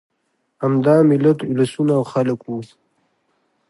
همدا ملت، اولسونه او خلک وو.